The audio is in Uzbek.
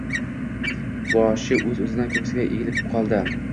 boshi oʻz-oʻzidan koʻksiga egilib qoldi.